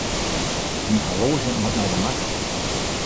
Myn horloazje moat nei de makker.